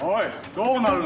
どうなるの？